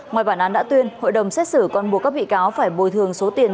ngoài bản án đã tuyên hội đồng xét xử còn buộc các bị cáo phải bồi thường số tiền